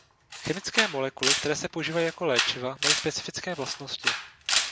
Chemické molekuly které se používají jako léčiva mají specifické vlastnosti.